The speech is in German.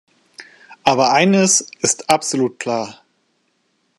Aber eines ist absolut klar.